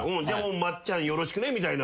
「まっちゃんよろしくね」みたいな。